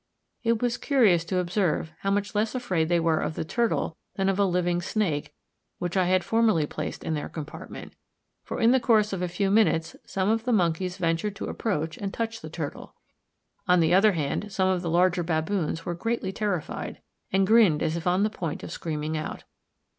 It was curious to observe how much less afraid they were of the turtle than of a living snake which I had formerly placed in their compartment; for in the course of a few minutes some of the monkeys ventured to approach and touch the turtle. On the other hand, some of the larger baboons were greatly terrified, and grinned as if on the point of screaming out.